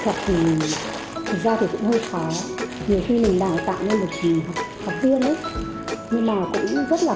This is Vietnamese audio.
là mình ra thì cũng hơi khó nhiều khi mình đang tạo nên một thì học riêng đấy nhưng mà cũng rất là